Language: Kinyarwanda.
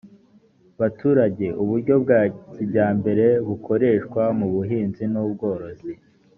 baturage uburyo bwa kijyambere bukoreshwa mu buhinzi n ubworozi